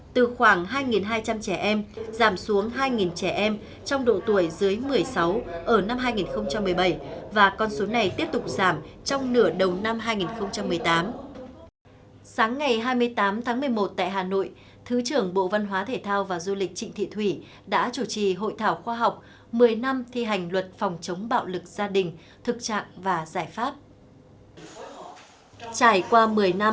từ khoảng hai hai trăm linh trẻ em giảm xuống hai trẻ em trong độ tuổi dưới một mươi sáu ở năm hai nghìn một mươi bảy